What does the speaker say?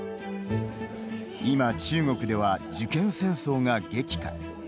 今、中国では受験戦争が激化。